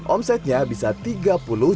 omsetnya bisa rp tiga puluh